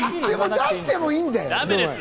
出してもいいんだよ。